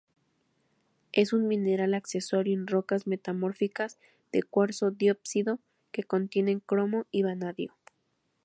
Es un mineral accesorio en rocas metamórficas de cuarzo-diópsido que contienen cromo y vanadio.